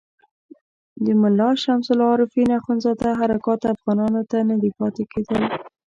د ملا شمس العارفین اخندزاده حرکات افغانانو ته نه پاتې کېدل.